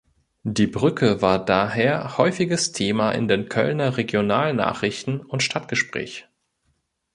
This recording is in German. Die Brücke war daher häufiges Thema in den Kölner Regionalnachrichten und Stadtgespräch.